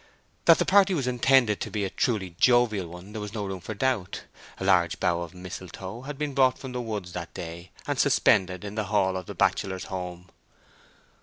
That the party was intended to be a truly jovial one there was no room for doubt. A large bough of mistletoe had been brought from the woods that day, and suspended in the hall of the bachelor's home.